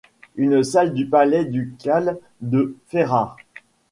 Une salle du palais ducal de Ferrare.